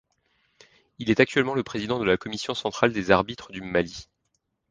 Il est actuellement le président de la Commission centrale des arbitres du Mali.